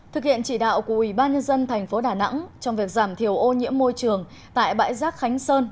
thực hiện chỉ đạo của ủy ban nhân dân thành phố đà nẵng trong việc giảm thiểu ô nhiễm môi trường tại bãi rác khánh sơn